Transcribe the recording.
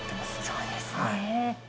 そうですね。